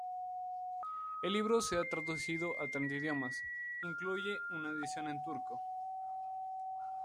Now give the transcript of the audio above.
El libro se ha traducido a treinta idiomas, incluyendo una edición en turco.